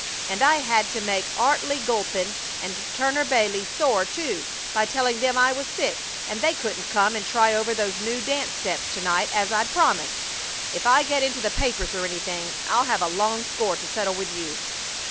And I had to make Artley Guelpin, and Turner Bailey sore, too, by telling them I was sick and they couldn't come and try over those new dance steps to night as I'd promised. If I get into the papers or anything I'll have a long score to settle with you."